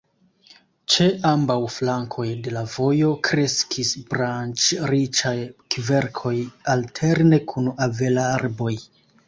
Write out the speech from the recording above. Ĉe ambaŭ flankoj de la vojo kreskis branĉriĉaj kverkoj alterne kun avelarboj.